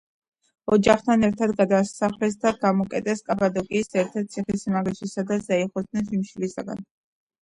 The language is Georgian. ოჯახთან ერთად გადაასახლეს და გამოკეტეს კაპადოკიის ერთ-ერთ ციხესიმაგრეში, სადაც დაიხოცნენ შიმშილისაგან.